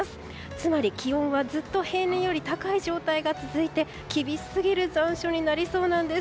つまり、気温はずっと平年より高い状態が続いて厳しすぎる残暑になりそうなんです。